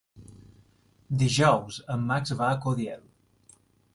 Dijous en Max va a Caudiel.